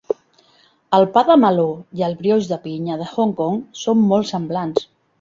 El pa de meló i el brioix de pinya de Hong Kong són molt semblants.